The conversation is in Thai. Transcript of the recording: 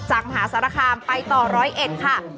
มหาสารคามไปต่อร้อยเอ็ดค่ะ